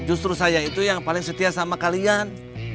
justru saya itu yang paling setia sama kalian